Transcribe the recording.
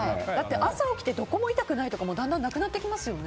朝起きてどこも痛くないとかだんだんなくなってきますよね。